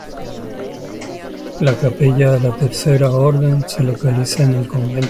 La Capilla de la Tercera Orden se localiza en el convento de San Gabriel.